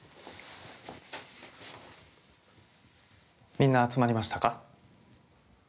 みんな集まりましたか？